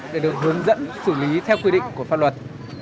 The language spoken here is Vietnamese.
để được hướng dẫn xử lý theo quy định của pháp luật